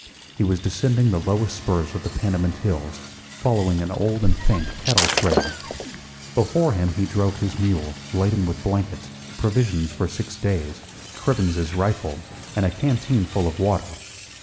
He was descending the lowest spurs of the Panamint hills, following an old and faint cattle trail. Before him he drove his mule, laden with blankets, provisions for six days, Cribben's rifle, and a canteen full of water.